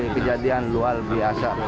kejadian luar biasa